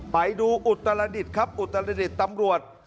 ไปดูอุตรศาสตร์ครับอุตรศาสตร์ตำรวจ